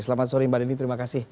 selamat sore mbak deni terima kasih